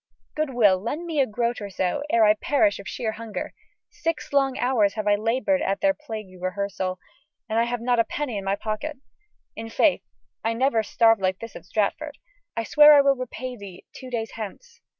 "Good Will, lend me a groat or so ere I perish of sheer hunger. Six long hours have I laboured at their plaguy rehearsal, and I have not a penny to my pocket. In faith, I never starved like this in Stratford. I swear I will repay thee two days hence!"